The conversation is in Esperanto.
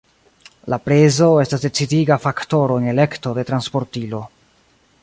La prezo estas decidiga faktoro en elekto de transportilo.